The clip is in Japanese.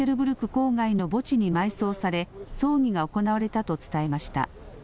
郊外の墓地に埋葬され葬儀が行われたと伝えました。